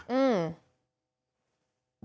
อืม